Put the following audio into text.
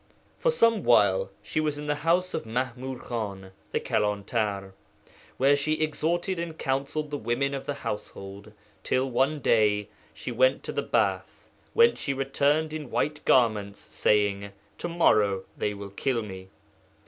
'For some while she was in the house of Maḥmūd Khan, the Kalantar, where she exhorted and counselled the women of the household, till one day she went to the bath, whence she returned in white garments, saying, "To morrow they will kill me."